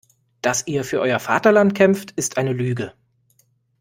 Dass ihr für euer Vaterland kämpft, ist eine Lüge.